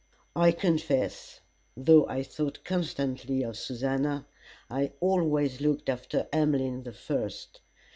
I confess, though I thought constantly of Susannah, I always looked after Emmeline the first.